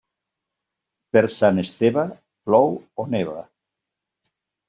Per Sant Esteve, plou o neva.